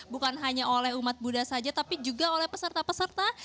bukan hanya oleh umat buddha saja tapi juga oleh peserta peserta